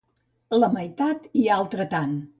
La meitat i altre tant.